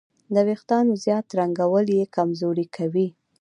د وېښتیانو زیات رنګول یې کمزوري کوي.